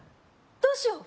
どうしよう